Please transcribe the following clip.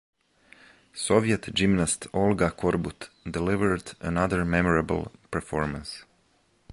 Soviet gymnast Olga Korbut delivered another memorable performance.